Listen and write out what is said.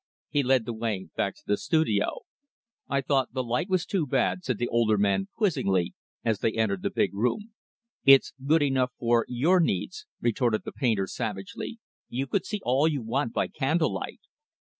He led the way back to the studio. "I thought the light was too bad," said the older man, quizzingly, as they entered the big room. "It's good enough for your needs," retorted the painter savagely. "You could see all you want by candle light."